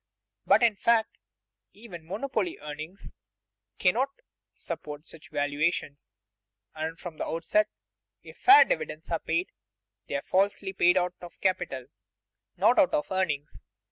But in fact even monopoly earnings cannot support such valuations, and from the outset if fair dividends are paid, they are falsely paid out of capital, not out of earnings.